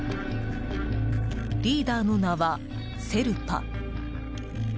リーダーの名はセルパ。